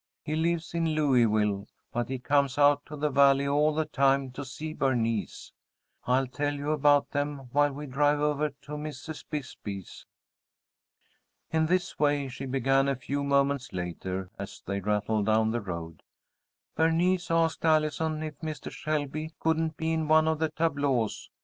He lives in Louisville, but he comes out to the Valley all the time to see Bernice. I'll tell you about them while we drive over to Mrs. Bisbee's. "It's this way," she began a few moments later, as they rattled down the road; "Bernice asked Allison if Mister Shelby couldn't be in one of the tableaux.